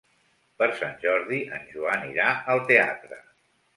Per Sant Jordi en Joan irà al teatre.